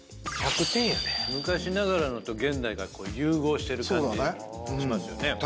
昔ながらのと現代が融合してる感じしますよね。